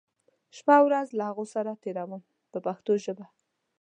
شپه او ورځ له هغو سره تېروم په پښتو ژبه.